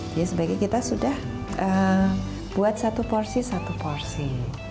jadi sebaiknya kita sudah buat satu porsi satu porsi